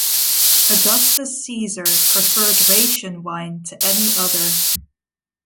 Augustus Caesar preferred Raetian wine to any other.